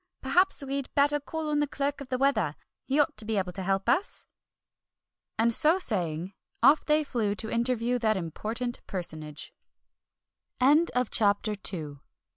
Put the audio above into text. Perhaps we'd better call on the Clerk of the Weather, he ought to be able to help us!" And so saying, off they flew to interview that important personage. CHAPTER III.